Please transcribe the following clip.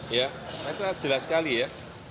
itu jelas sekali ya